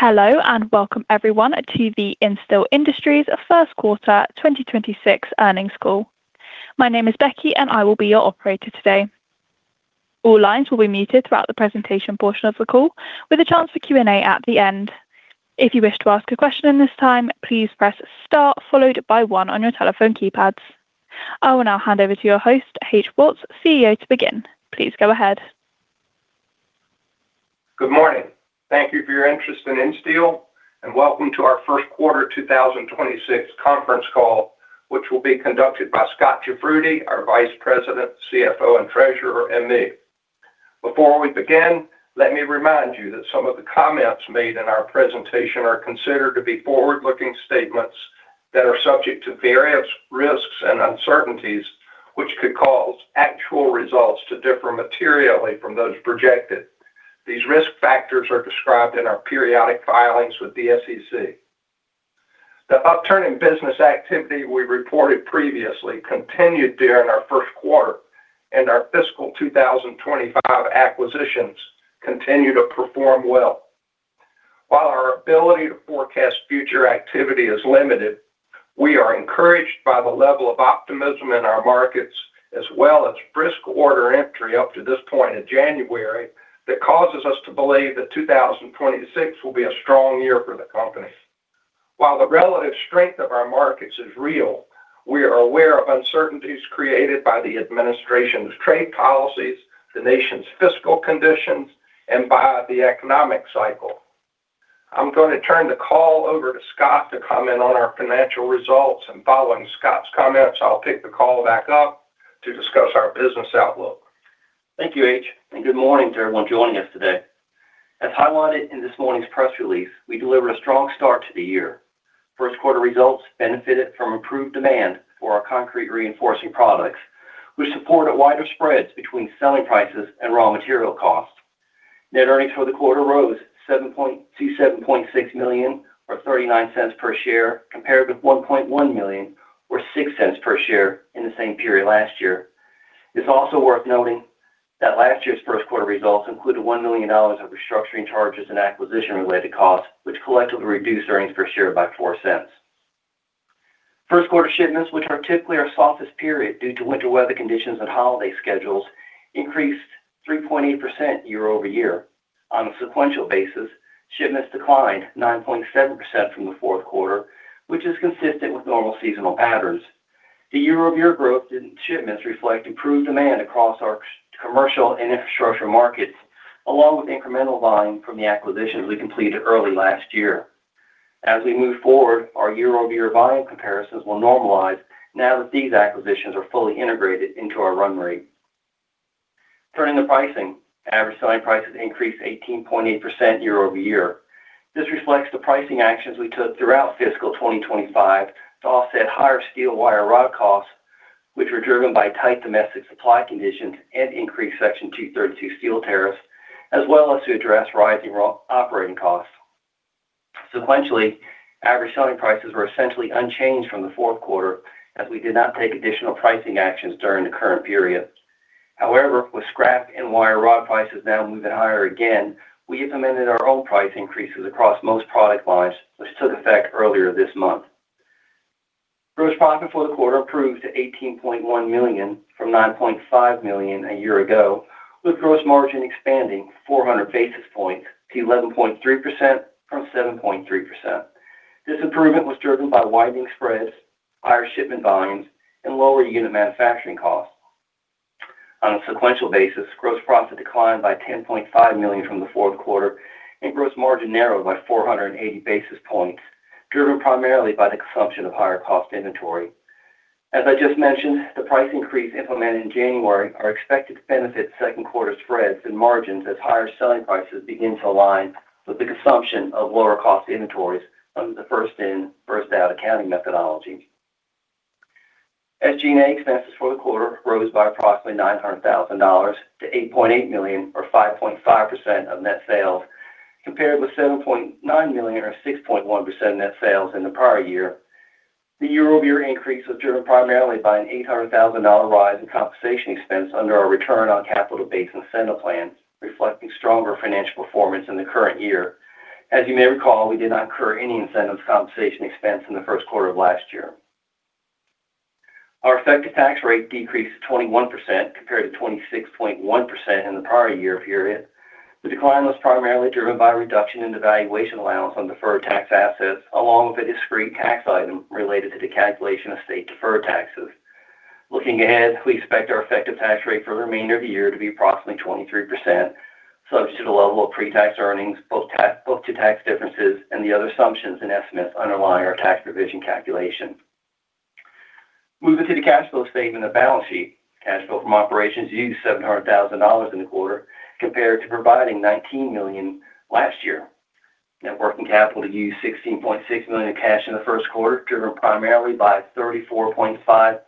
Hello and welcome everyone to the Insteel Industries First Quarter 2026 earnings call. My name is Becky, and I will be your operator today. All lines will be muted throughout the presentation portion of the call, with a chance for Q&A at the end. If you wish to ask a question at this time, please press star, followed by one on your telephone keypads. I will now hand over to your host, H. Woltz, CEO, to begin. Please go ahead. Good morning. Thank you for your interest in Insteel, and welcome to our First Quarter 2026 conference call, which will be conducted by Scot Jafroodi, our Vice President, CFO, and Treasurer, me. Before we begin, let me remind you that some of the comments made in our presentation are considered to be forward-looking statements that are subject to various risks and uncertainties, which could cause actual results to differ materially from those projected. These risk factors are described in our periodic filings with the SEC. The upturn in business activity we reported previously continued during our first quarter, and our fiscal 2025 acquisitions continue to perform well. While our ability to forecast future activity is limited, we are encouraged by the level of optimism in our markets, as well as brisk order entry up to this point in January, that causes us to believe that 2026 will be a strong year for the company. While the relative strength of our markets is real, we are aware of uncertainties created by the administration's trade policies, the nation's fiscal conditions, and by the economic cycle. I'm going to turn the call over to Scot to comment on our financial results, and following Scot's comments, I'll pick the call back up to discuss our business outlook. Thank you, H., and good morning to everyone joining us today. As highlighted in this morning's press release, we delivered a strong start to the year. First quarter results benefited from improved demand for our concrete reinforcing products, which supported wider spreads between selling prices and raw material costs. Net earnings for the quarter rose $7.6 million or $0.39 per share, compared with $1.1 million or $0.06 per share in the same period last year. It's also worth noting that last year's first quarter results included $1 million of restructuring charges and acquisition-related costs, which collectively reduced earnings per share by $0.04. First quarter shipments, which are typically our softest period due to winter weather conditions and holiday schedules, increased 3.8% year-over-year. On a sequential basis, shipments declined 9.7% from the fourth quarter, which is consistent with normal seasonal patterns. The year-over-year growth in shipments reflects improved demand across our commercial and infrastructure markets, along with incremental volume from the acquisitions we completed early last year. As we move forward, our year-over-year volume comparisons will normalize now that these acquisitions are fully integrated into our run rate. Turning to pricing, average selling prices increased 18.8% year-over-year. This reflects the pricing actions we took throughout fiscal 2025 to offset higher steel wire rod costs, which were driven by tight domestic supply conditions and increased Section 232 steel tariffs, as well as to address rising operating costs. Sequentially, average selling prices were essentially unchanged from the fourth quarter, as we did not take additional pricing actions during the current period. However, with scrap and wire rod prices now moving higher again, we implemented our own price increases across most product lines, which took effect earlier this month. Gross profit for the quarter improved to $18.1 million from $9.5 million a year ago, with gross margin expanding 400 basis points to 11.3% from 7.3%. This improvement was driven by widening spreads, higher shipment volumes, and lower unit manufacturing costs. On a sequential basis, gross profit declined by $10.5 million from the fourth quarter, and gross margin narrowed by 480 basis points, driven primarily by the consumption of higher cost inventory. As I just mentioned, the price increase implemented in January is expected to benefit second quarter spreads and margins as higher selling prices begin to align with the consumption of lower cost inventories under the first-in-first-out accounting methodology. SG&A expenses for the quarter rose by approximately $900,000 to $8.8 million, or 5.5% of net sales, compared with $7.9 million, or 6.1% of net sales, in the prior year. The year-over-year increase was driven primarily by an $800,000 rise in compensation expense under our return on capital-based incentive plan, reflecting stronger financial performance in the current year. As you may recall, we did not incur any incentive compensation expense in the first quarter of last year. Our effective tax rate decreased to 21% compared to 26.1% in the prior year period. The decline was primarily driven by a reduction in the valuation allowance on deferred tax assets, along with a discrete tax item related to the calculation of state deferred taxes. Looking ahead, we expect our effective tax rate for the remainder of the year to be approximately 23%, subject to the level of pre-tax earnings, book-to-tax differences and the other assumptions and estimates underlying our tax provision calculation. Moving to the cash flow statement and balance sheet, cash flow from operations used $700,000 in the quarter, compared to providing $19 million last year. Net working capital used $16.6 million in cash in the first quarter, driven primarily by a $34.5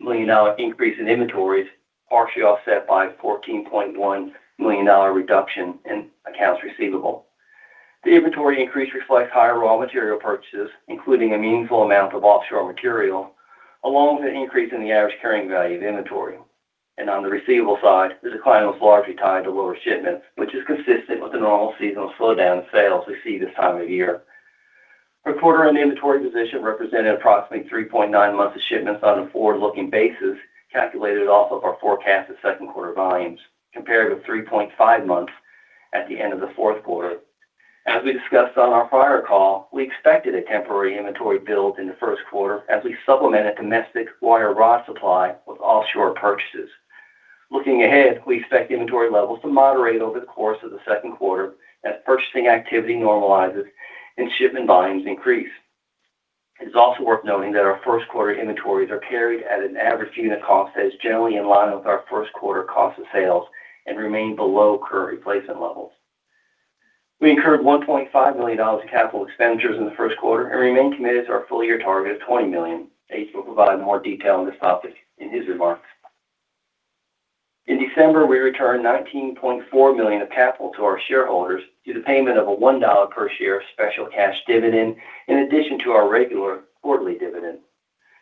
million increase in inventories, partially offset by a $14.1 million reduction in accounts receivable. The inventory increase reflects higher raw material purchases, including a meaningful amount of offshore material, along with an increase in the average carrying value of inventory. On the receivable side, the decline was largely tied to lower shipments, which is consistent with the normal seasonal slowdown in sales we see this time of year. Our quarter-end inventory position represented approximately 3.9 months of shipments on a forward-looking basis, calculated off of our forecasted second quarter volumes, compared with 3.5 months at the end of the fourth quarter. As we discussed on our prior call, we expected a temporary inventory build in the first quarter as we supplemented domestic wire rod supply with offshore purchases. Looking ahead, we expect inventory levels to moderate over the course of the second quarter as purchasing activity normalizes and shipment volumes increase. It's also worth noting that our first quarter inventories are carried at an average unit cost that is generally in line with our first quarter cost of sales and remain below current replacement levels. We incurred $1.5 million in capital expenditures in the first quarter and remain committed to our full-year target of $20 million. H. will provide more detail on this topic in his remarks. In December, we returned $19.4 million of capital to our shareholders through the payment of a $1 per share special cash dividend, in addition to our regular quarterly dividend.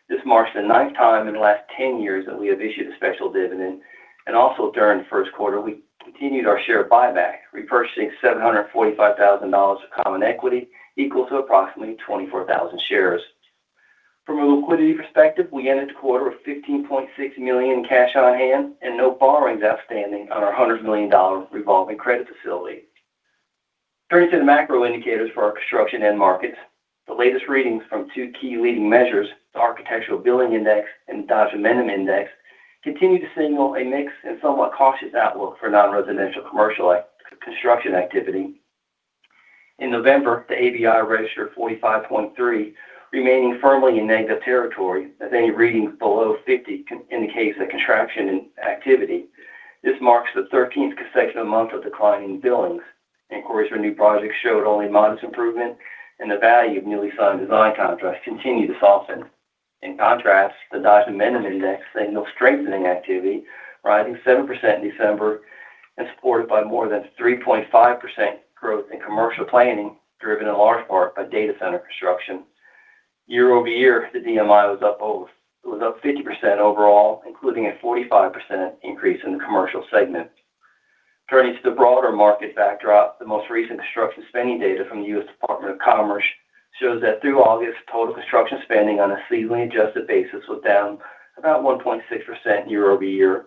This marks the ninth time in the last 10 years that we have issued a special dividend. And also during the first quarter, we continued our share buyback, repurchasing $745,000 of common equity equal to approximately 24,000 shares. From a liquidity perspective, we ended the quarter with $15.6 million in cash on hand and no borrowings outstanding on our $100 million revolving credit facility. Turning to the macro indicators for our construction end markets, the latest readings from two key leading measures, the Architecture Billings Index and the Dodge Momentum Index, continue to signal a mixed and somewhat cautious outlook for nonresidential commercial construction activity. In November, the ABI registered 45.3, remaining firmly in negative territory. With any readings below 50 indicates a contraction in activity. This marks the 13th consecutive month of declining billings. Inquiries for new projects showed only modest improvement, and the value of newly signed design contracts continued to soften. In contrast, the Dodge Momentum Index signaled strengthening activity, rising 7% in December and supported by more than 3.5% growth in commercial planning, driven in large part by data center construction. year-over-year, the DMI was up 50% overall, including a 45% increase in the commercial segment. Turning to the broader market backdrop, the most recent construction spending data from the U.S. Department of Commerce shows that through August, total construction spending on a seasonally adjusted basis was down about 1.6% year-over-year.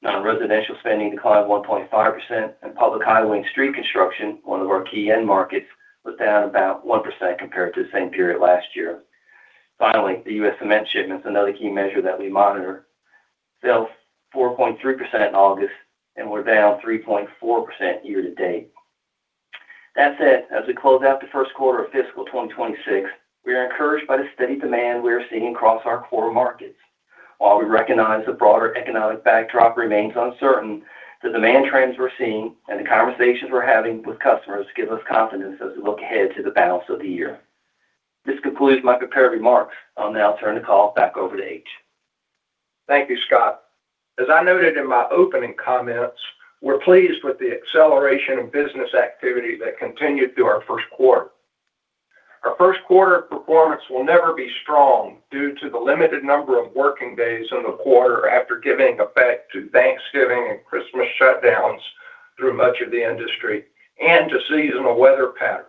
Non-residential spending declined 1.5%, and public highway and street construction, one of our key end markets, was down about 1% compared to the same period last year. Finally, the U.S. cement shipments, another key measure that we monitor, fell 4.3% in August and were down 3.4% year to date. That said, as we close out the first quarter of fiscal 2026, we are encouraged by the steady demand we are seeing across our core markets. While we recognize the broader economic backdrop remains uncertain, the demand trends we're seeing and the conversations we're having with customers give us confidence as we look ahead to the balance of the year. This concludes my prepared remarks, and I'll turn the call back over to H. Thank you, Scott. As I noted in my opening comments, we're pleased with the acceleration in business activity that continued through our first quarter. Our first quarter performance will never be strong due to the limited number of working days in the quarter after giving effect to Thanksgiving and Christmas shutdowns through much of the industry and to seasonal weather patterns.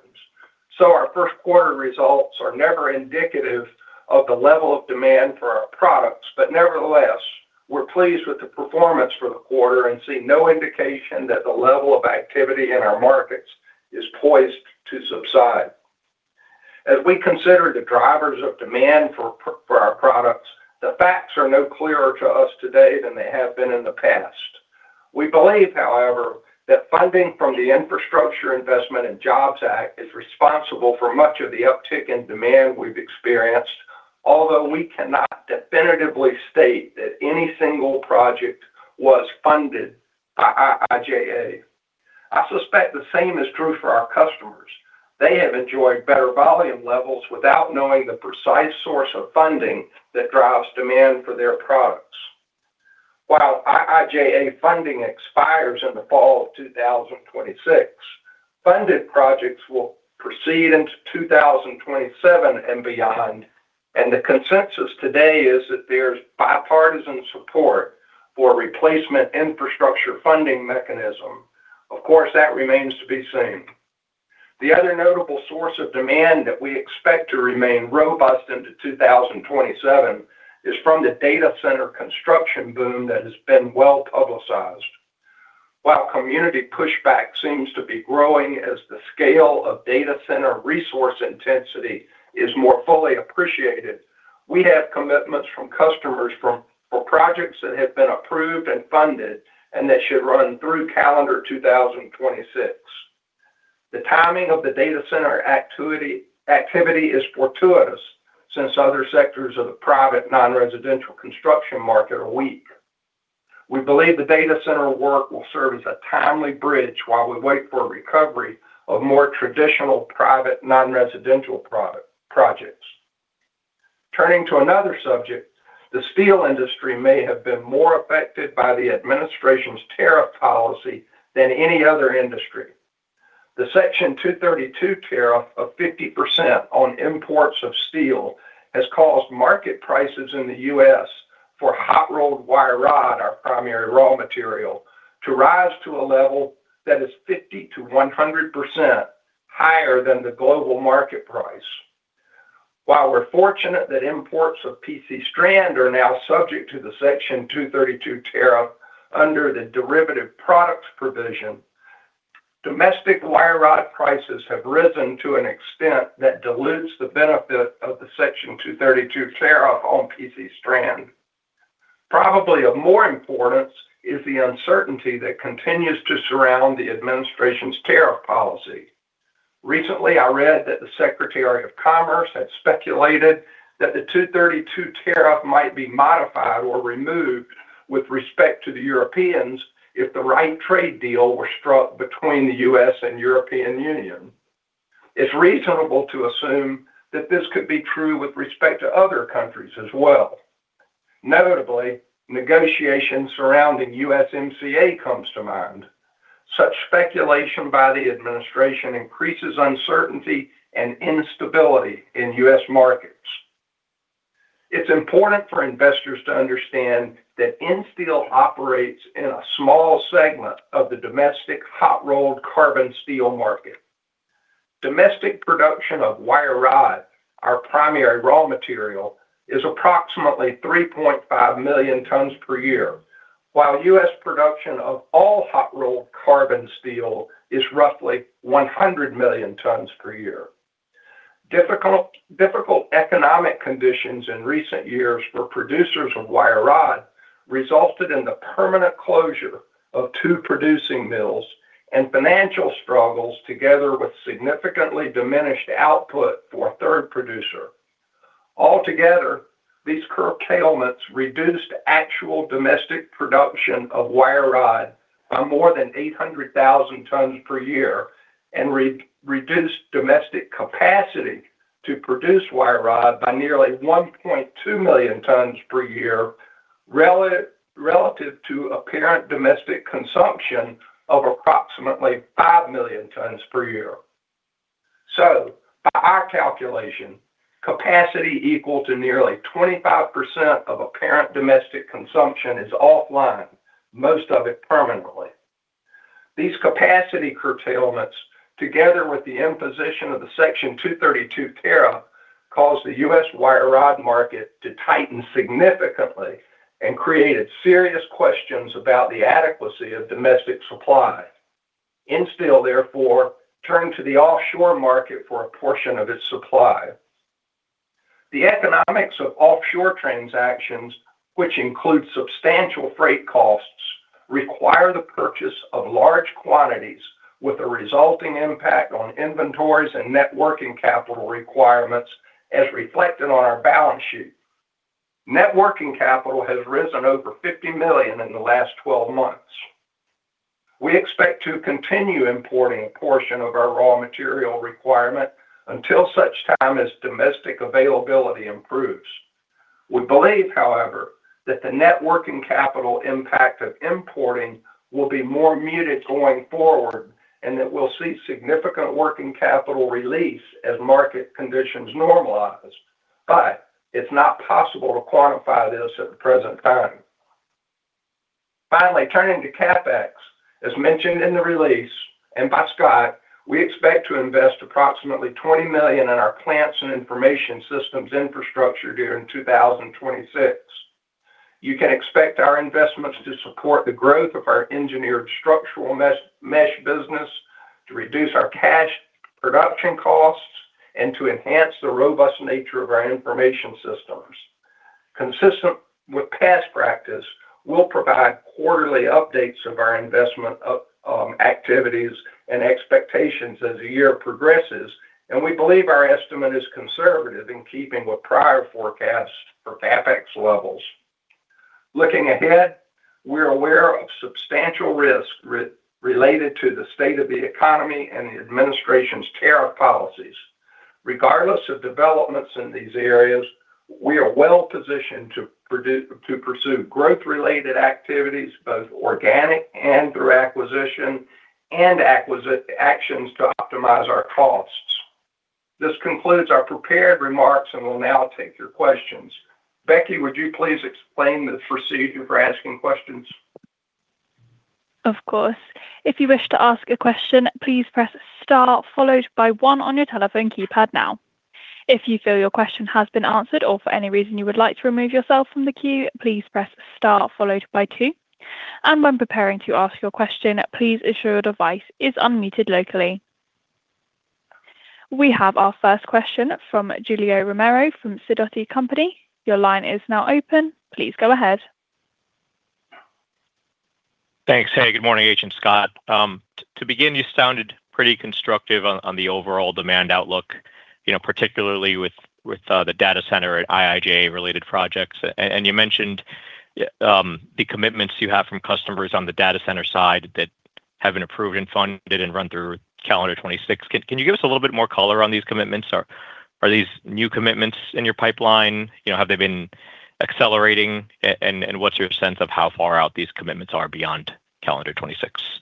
So our first quarter results are never indicative of the level of demand for our products, but nevertheless, we're pleased with the performance for the quarter and see no indication that the level of activity in our markets is poised to subside. As we consider the drivers of demand for our products, the facts are no clearer to us today than they have been in the past. We believe, however, that funding from the Infrastructure Investment and Jobs Act is responsible for much of the uptick in demand we've experienced, although we cannot definitively state that any single project was funded by IIJA. I suspect the same is true for our customers. They have enjoyed better volume levels without knowing the precise source of funding that drives demand for their products. While IIJA funding expires in the fall of 2026, funded projects will proceed into 2027 and beyond, and the consensus today is that there's bipartisan support for a replacement infrastructure funding mechanism. Of course, that remains to be seen. The other notable source of demand that we expect to remain robust into 2027 is from the data center construction boom that has been well publicized. While community pushback seems to be growing as the scale of data center resource intensity is more fully appreciated, we have commitments from customers for projects that have been approved and funded and that should run through calendar 2026. The timing of the data center activity is fortuitous since other sectors of the private non-residential construction market are weak. We believe the data center work will serve as a timely bridge while we wait for a recovery of more traditional private non-residential projects. Turning to another subject, the steel industry may have been more affected by the administration's tariff policy than any other industry. The Section 232 tariff of 50% on imports of steel has caused market prices in the U.S. for hot-rolled wire rod, our primary raw material, to rise to a level that is 50%-100% higher than the global market price. While we're fortunate that imports of PC strand are now subject to the Section 232 tariff under the derivative products provision, domestic wire rod prices have risen to an extent that dilutes the benefit of the Section 232 tariff on PC strand. Probably of more importance is the uncertainty that continues to surround the administration's tariff policy. Recently, I read that the Secretary of Commerce had speculated that the 232 tariff might be modified or removed with respect to the Europeans if the right trade deal were struck between the U.S. and European Union. It's reasonable to assume that this could be true with respect to other countries as well. Notably, negotiations surrounding USMCA comes to mind. Such speculation by the administration increases uncertainty and instability in U.S. markets. It's important for investors to understand that Insteel operates in a small segment of the domestic hot-rolled carbon steel market. Domestic production of wire rod, our primary raw material, is approximately 3.5 million tons per year, while U.S. production of all hot-rolled carbon steel is roughly 100 million tons per year. Difficult economic conditions in recent years for producers of wire rod resulted in the permanent closure of two producing mills and financial struggles together with significantly diminished output for a third producer. Altogether, these curtailments reduced actual domestic production of wire rod by more than 800,000 tons per year and reduced domestic capacity to produce wire rod by nearly 1.2 million tons per year relative to apparent domestic consumption of approximately 5 million tons per year. So, by our calculation, capacity equal to nearly 25% of apparent domestic consumption is offline, most of it permanently. These capacity curtailments, together with the imposition of the Section 232 tariff, caused the U.S. wire rod market to tighten significantly and created serious questions about the adequacy of domestic supply. Insteel, therefore, turned to the offshore market for a portion of its supply. The economics of offshore transactions, which include substantial freight costs, require the purchase of large quantities, with a resulting impact on inventories and net working capital requirements, as reflected on our balance sheet. Net working capital has risen over $50 million in the last 12 months. We expect to continue importing a portion of our raw material requirement until such time as domestic availability improves. We believe, however, that the net working capital impact of importing will be more muted going forward and that we'll see significant working capital release as market conditions normalize. But it's not possible to quantify this at the present time. Finally, turning to CapEx, as mentioned in the release and by Scot, we expect to invest approximately $20 million in our plants and information systems infrastructure during 2026. You can expect our investments to support the growth of our engineered structural mesh business, to reduce our cash production costs, and to enhance the robust nature of our information systems. Consistent with past practice, we'll provide quarterly updates of our investment activities and expectations as the year progresses, and we believe our estimate is conservative in keeping with prior forecasts for CapEx levels. Looking ahead, we're aware of substantial risks related to the state of the economy and the administration's tariff policies. Regardless of developments in these areas, we are well positioned to pursue growth-related activities, both organic and through acquisition, and actions to optimize our costs. This concludes our prepared remarks and will now take your questions. Becky, would you please explain the procedure for asking questions? Of course. If you wish to ask a question, please press star, followed by one on your telephone keypad now. If you feel your question has been answered or for any reason you would like to remove yourself from the queue, please press star, followed by two. And when preparing to ask your question, please ensure your device is unmuted locally. We have our first question from Julio Romero from Sidoti Company. Your line is now open. Please go ahead. Thanks. Hey, good morning, H. and Scot. To begin, you sounded pretty constructive on the overall demand outlook, particularly with the data center at IIJA-related projects. And you mentioned the commitments you have from customers on the data center side that have been approved and funded and run through calendar 2026. Can you give us a little bit more color on these commitments? Are these new commitments in your pipeline? Have they been accelerating? And what's your sense of how far out these commitments are beyond calendar 2026?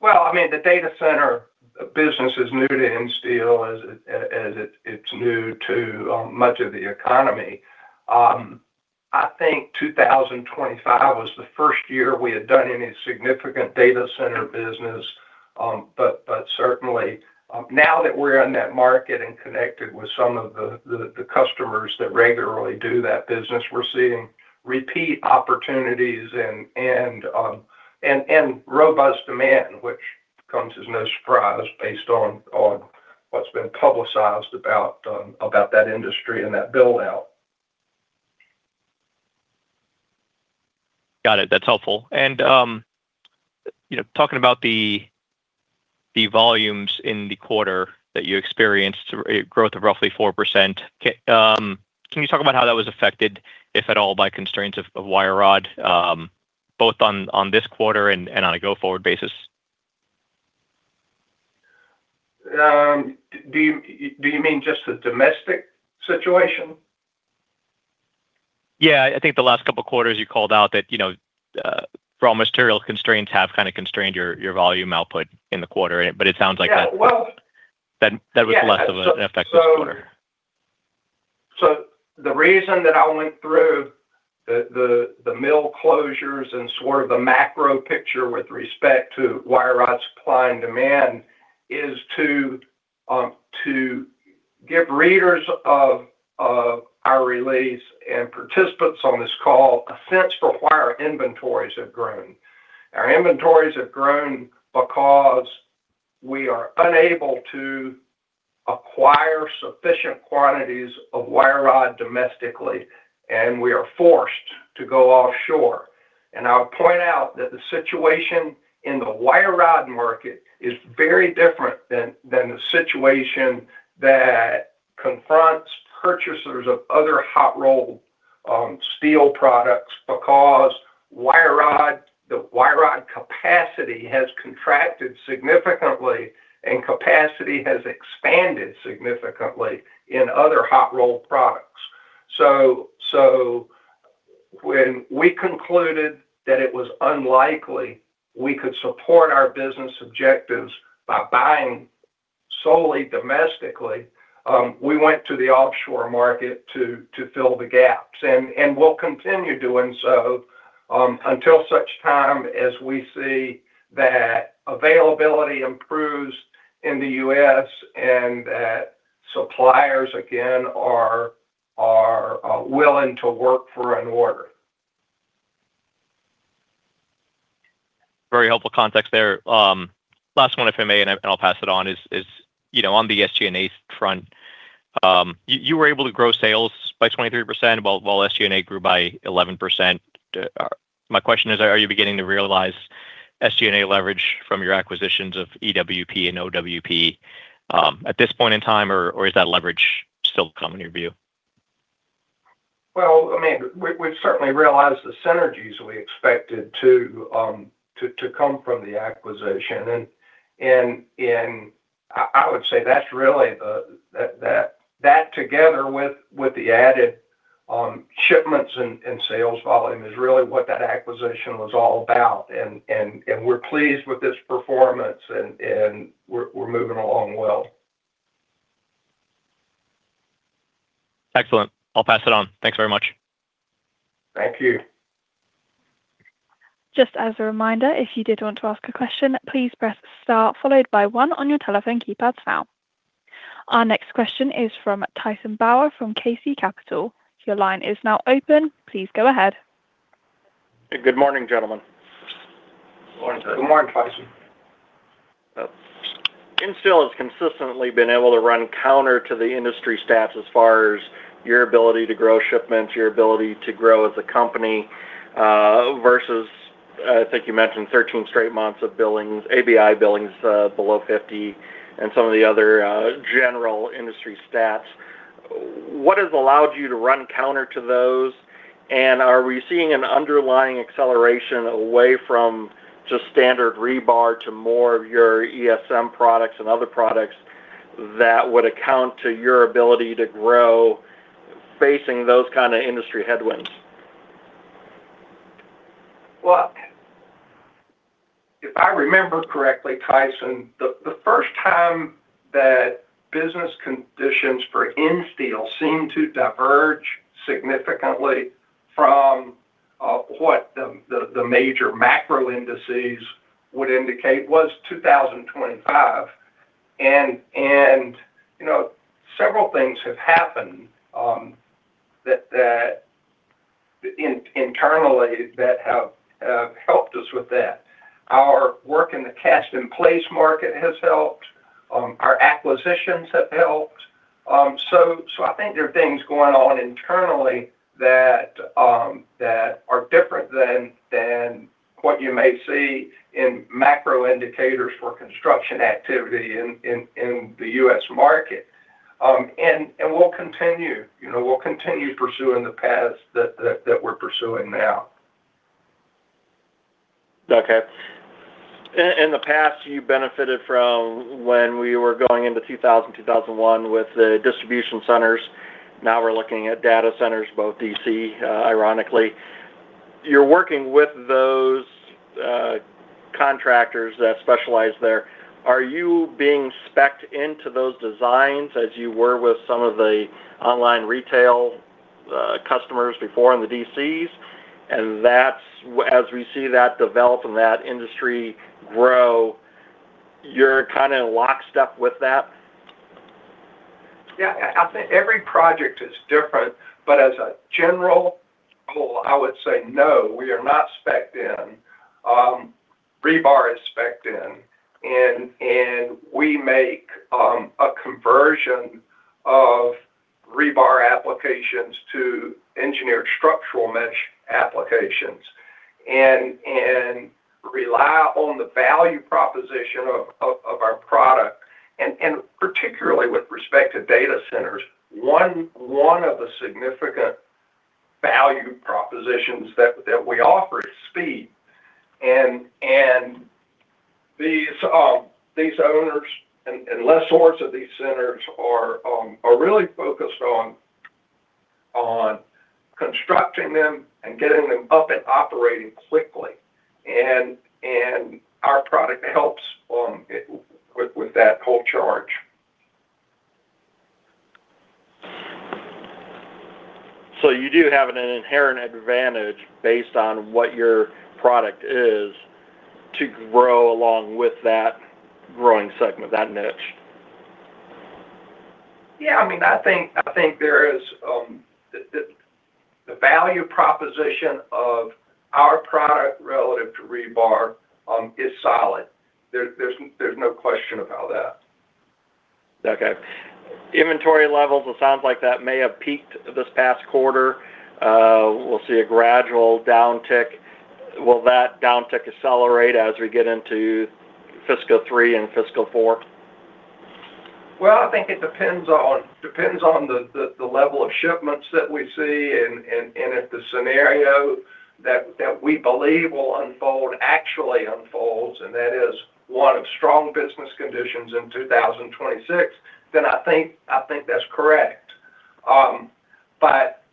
Well, I mean, the data center business is new to Insteel as it's new to much of the economy. I think 2025 was the first year we had done any significant data center business, but certainly, now that we're in that market and connected with some of the customers that regularly do that business, we're seeing repeat opportunities and robust demand, which comes as no surprise based on what's been publicized about that industry and that buildout. Got it. That's helpful. And talking about the volumes in the quarter that you experienced, a growth of roughly 4%, can you talk about how that was affected, if at all, by constraints of wire rod, both on this quarter and on a go-forward basis? Do you mean just the domestic situation? Yeah. I think the last couple of quarters you called out that raw material constraints have kind of constrained your volume output in the quarter, but it sounds like that was less of an effect this quarter. So the reason that I went through the mill closures and sort of the macro picture with respect to wire rod supply and demand is to give readers of our release and participants on this call a sense for why our inventories have grown. Our inventories have grown because we are unable to acquire sufficient quantities of wire rod domestically, and we are forced to go offshore. And I'll point out that the situation in the wire rod market is very different than the situation that confronts purchasers of other hot-rolled steel products because the wire rod capacity has contracted significantly and capacity has expanded significantly in other hot-rolled products. So when we concluded that it was unlikely we could support our business objectives by buying solely domestically, we went to the offshore market to fill the gaps. We'll continue doing so until such time as we see that availability improves in the U.S. and that suppliers, again, are willing to work for an order. Very helpful context there. Last one, if I may, and I'll pass it on, is on the SG&A front, you were able to grow sales by 23% while SG&A grew by 11%. My question is, are you beginning to realize SG&A leverage from your acquisitions of EWP and OWP at this point in time, or is that leverage still coming to your view? I mean, we've certainly realized the synergies we expected to come from the acquisition. I would say that's really that together with the added shipments and sales volume is really what that acquisition was all about. We're pleased with its performance, and we're moving along well. Excellent. I'll pass it on. Thanks very much. Thank you. Just as a reminder, if you did want to ask a question, please press star, followed by one on your telephone keypad now. Our next question is from Tyson Bauer from KC Capital. Your line is now open. Please go ahead. Good morning, gentlemen. Good morning, Tyson. Insteel has consistently been able to run counter to the industry stats as far as your ability to grow shipments, your ability to grow as a company versus, I think you mentioned, 13 straight months of billings, ABI billings below 50, and some of the other general industry stats. What has allowed you to run counter to those? And are we seeing an underlying acceleration away from just standard rebar to more of your ESM products and other products that would account for your ability to grow facing those kinds of industry headwinds? If I remember correctly, Tyson, the first time that business conditions for Insteel seemed to diverge significantly from what the major macro indices would indicate was 2025. Several things have happened internally that have helped us with that. Our work in the cast-in-place market has helped. Our acquisitions have helped. I think there are things going on internally that are different than what you may see in macro indicators for construction activity in the U.S. market. We'll continue pursuing the path that we're pursuing now. Okay. In the past, you benefited from when we were going into 2000, 2001 with the distribution centers. Now we're looking at data centers, both DC, ironically. You're working with those contractors that specialize there. Are you being specced into those designs as you were with some of the online retail customers before in the DCs? And as we see that develop and that industry grow, you're kind of locked up with that? Yeah. I think every project is different. But as a general rule, I would say no, we are not specced in. Rebar is specced in. And we make a conversion of rebar applications to engineered structural mesh applications and rely on the value proposition of our product. And particularly with respect to data centers, one of the significant value propositions that we offer is speed. And these owners and lessors of these centers are really focused on constructing them and getting them up and operating quickly. And our product helps with that whole charge. So you do have an inherent advantage based on what your product is to grow along with that growing segment, that niche? Yeah. I mean, I think there is the value proposition of our product relative to rebar is solid. There's no question about that. Okay. Inventory levels, it sounds like that may have peaked this past quarter. We'll see a gradual downtick. Will that downtick accelerate as we get into fiscal three and fiscal four? I think it depends on the level of shipments that we see and if the scenario that we believe will unfold actually unfolds, and that is one of strong business conditions in 2026, then I think that's correct. But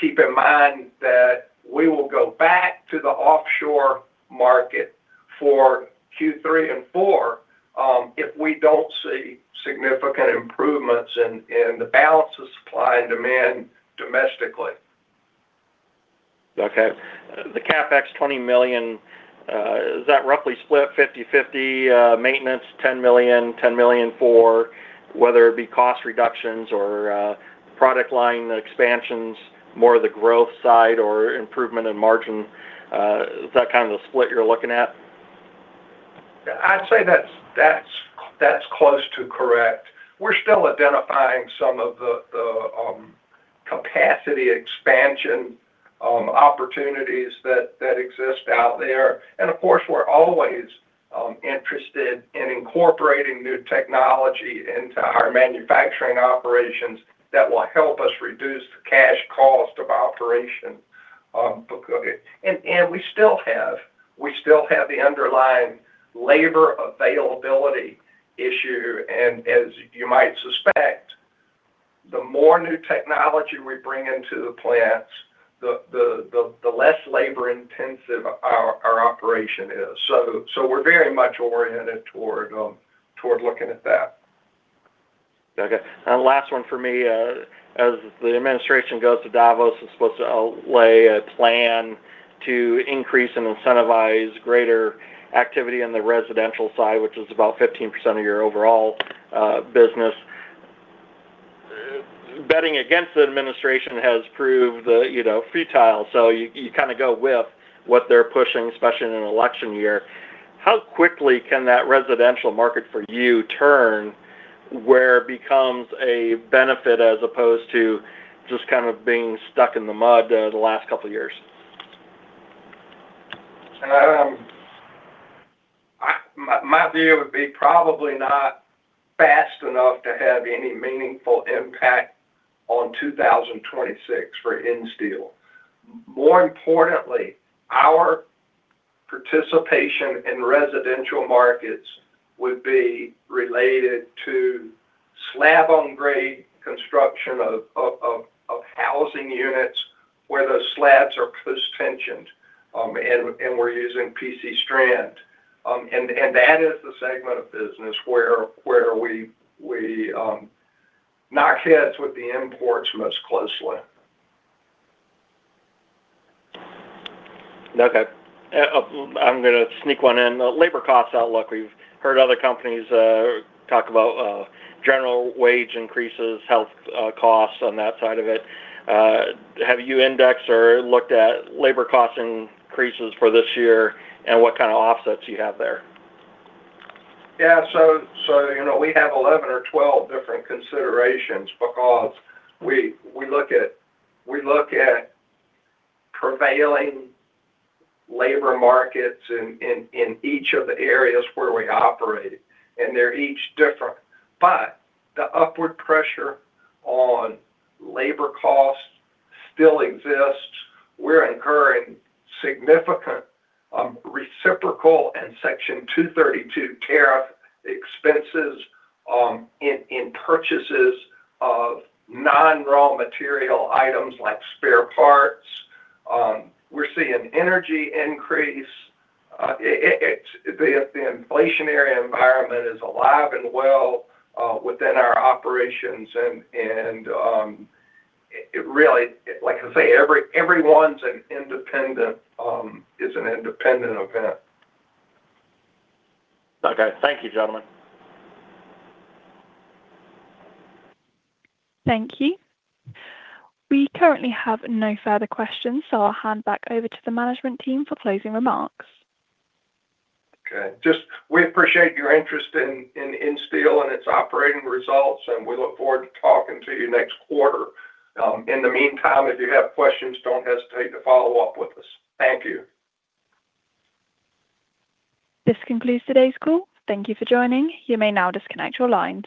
keep in mind that we will go back to the offshore market for Q3 and Q4 if we don't see significant improvements in the balance of supply and demand domestically. Okay. The CapEx $20 million, is that roughly split 50/50? Maintenance $10 million, $10 million for whether it be cost reductions or product line expansions, more of the growth side or improvement in margin, that kind of split you're looking at? I'd say that's close to correct. We're still identifying some of the capacity expansion opportunities that exist out there. And of course, we're always interested in incorporating new technology into our manufacturing operations that will help us reduce the cash cost of operation. And we still have the underlying labor availability issue. And as you might suspect, the more new technology we bring into the plants, the less labor-intensive our operation is. So we're very much oriented toward looking at that. Okay. Last one for me. As the administration goes, the Davos is supposed to lay a plan to increase and incentivize greater activity in the residential side, which is about 15% of your overall business. Betting against the administration has proved futile. So you kind of go with what they're pushing, especially in an election year. How quickly can that residential market for you turn where it becomes a benefit as opposed to just kind of being stuck in the mud the last couple of years? My view would be probably not fast enough to have any meaningful impact on 2026 for Insteel. More importantly, our participation in residential markets would be related to slab-on-grade construction of housing units where those slabs are post-tensioned and we're using PC strand. And that is the segment of business where we knock heads with the imports most closely. Okay. I'm going to sneak one in. Labor cost outlook. We've heard other companies talk about general wage increases, health costs, on that side of it. Have you indexed or looked at labor cost increases for this year and what kind of offsets you have there? Yeah. So we have 11 or 12 different considerations because we look at prevailing labor markets in each of the areas where we operate, and they're each different. But the upward pressure on labor costs still exists. We're incurring significant reciprocal and Section 232 tariff expenses in purchases of non-raw material items like spare parts. We're seeing energy increase. The inflationary environment is alive and well within our operations. And really, like I say, everyone's an independent event. Okay. Thank you, gentlemen. Thank you. We currently have no further questions, so I'll hand back over to the management team for closing remarks. Okay. We appreciate your interest in Insteel and its operating results, and we look forward to talking to you next quarter. In the meantime, if you have questions, don't hesitate to follow up with us. Thank you. This concludes today's call. Thank you for joining. You may now disconnect your line.